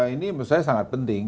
ini menurut saya sangat penting